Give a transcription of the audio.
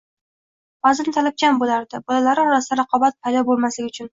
ba'zan talabchan bo'lardi. Bolalari orasida raqobat paydo bo'lmasligi uchun